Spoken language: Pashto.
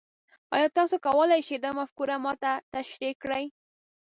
ایا تاسو کولی شئ دا مفکوره ما ته تشریح کړئ؟